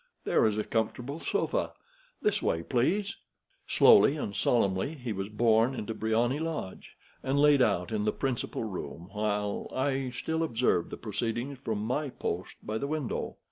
There is a comfortable sofa. This way, please." Slowly and solemnly he was borne into Briony Lodge, and laid out in the principal room, while I still observed the proceedings from my post by the window.